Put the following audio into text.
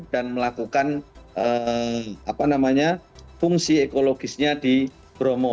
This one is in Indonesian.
dan melakukan fungsi ekologisnya di bromo